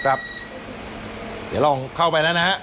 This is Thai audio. กลับเดี๋ยวข้อกำลังเข้าไปนะครับ